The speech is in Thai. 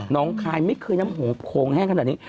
น้องคายไม่เคยน้ำโหโค้งแห้งขนาดนี้